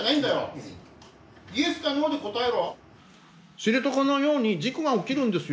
知床のように事故が起きるんですよ。